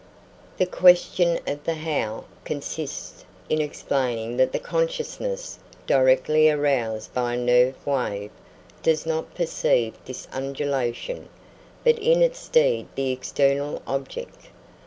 The question of the "How" consists in explaining that the consciousness, directly aroused by a nerve wave, does not perceive this undulation, but in its stead the external object.